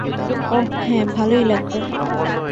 ওহ, হ্যাঁ, ভালোই লাগবে।